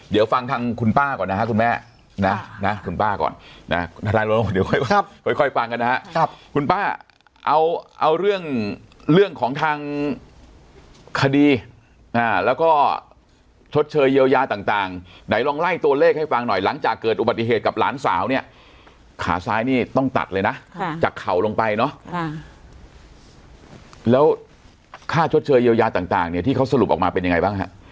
เดี๋ยวฟังทางคุณป้าก่อนนะฮะคุณแม่นะคุณป้าก่อนนะคุณทนายลงเดี๋ยวค่อยฟังกันนะฮะคุณป้าเอาเรื่องของทางคดีแล้วก็ชดเชยเยียวยาต่างไหนลองไล่ตัวเลขให้ฟังหน่อยหลังจากเกิดอุบัติเหตุกับหลานสาวเนี่ยขาซ้ายนี่ต้องตัดเลยนะจากเข่าลงไปเนอะแล้วค่าชดเชยเยียวยาต่างเนี่ยที่เขาสรุปออกมาเป็นยังไงบ้างฮะ